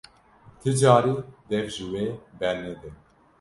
Ti carî dev ji wê bernede!